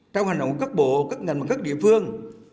trong hành động của các bộ các ngành và các địa phương